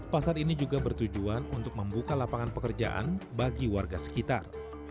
pasar ini juga bertujuan untuk membuka lapangan pekerjaan bagi warga sekitar